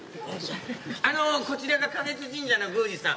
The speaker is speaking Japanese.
あのこちらが花月神社の宮司さん。